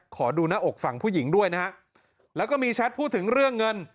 ขอดูหน้าอกฝั่งผู้หญิงด้วยนะฮะแล้วก็มีแชทพูดถึงเรื่องเงิน